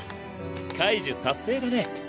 解呪達成だね。